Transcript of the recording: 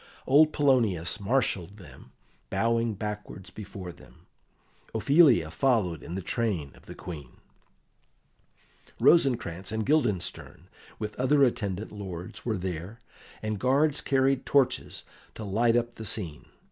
Old Polonius marshalled them, bowing backwards before them; Ophelia followed in the train of the Queen; Rosencrantz and Guildenstern, with other attendant lords, were there, and guards carried torches to light up the scene.